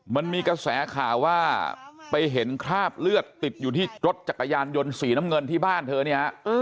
มันมีกระแสข่าวว่าไปเห็นคราบเลือดติดอยู่ที่รถจักรยานยนต์สีน้ำเงินที่บ้านเธอเนี่ยฮะ